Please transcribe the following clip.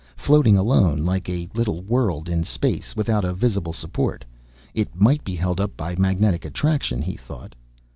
Floating alone, like a little world in space, without a visible support, it might be held up by magnetic attraction, he thought.